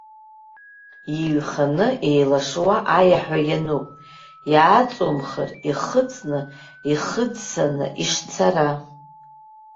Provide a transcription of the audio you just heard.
Иҩханы еилашуа аиаҳәа иануп, иааҵумхыр, ихыҵны, ихыӡсаны ишцара.